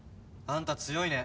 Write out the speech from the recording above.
あんた強いね。